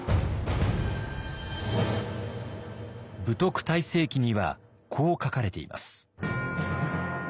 「武徳大成記」にはこう書かれています。